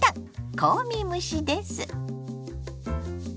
香味蒸しです。